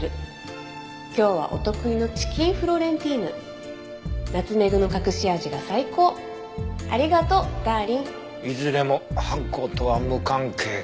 「今日はお得意のチキン・フロレンティーヌ」「ナツメグの隠し味が最高」「ありがとうダーリン」いずれも犯行とは無関係か。